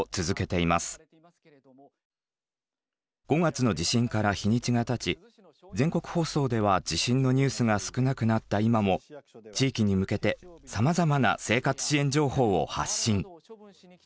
５月の地震から日にちがたち全国放送では地震のニュースが少なくなった今も地域に向けてさまざまな生活支援情報を発信。